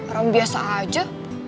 orang biasa aja